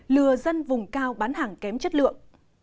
lừa dân vùng cao bán hàng kém chất lượng